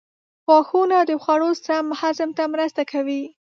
غاښونه د خوړو سم هضم ته مرسته کوي.